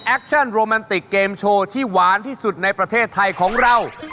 เชิญโรแมนติกเกมโชว์ที่หวานที่สุดในประเทศไทยของเรา